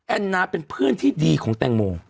แอนนาเป็นเพื่อนที่ดีของแตงโม